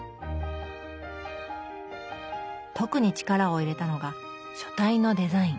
特に力を入れたのが書体のデザイン。